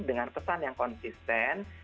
dengan pesan yang konsisten